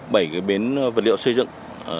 bảy cái bến vật liệu xây dựng